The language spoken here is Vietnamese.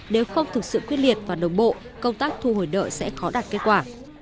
nếu không thực sự quyết liệt và đồng bộ công tác thu hồi nợ sẽ khó đạt kết quả